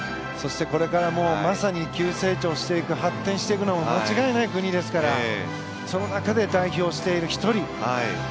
そして、これからもまさに急成長していく発展していくのが間違いない国ですからその中で代表入りしている１人。